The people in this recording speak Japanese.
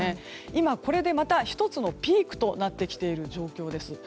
今、これでまた１つのピークとなってきている状況です。